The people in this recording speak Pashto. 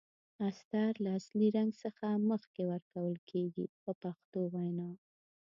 استر له اصلي رنګ څخه مخکې ورکول کیږي په پښتو وینا.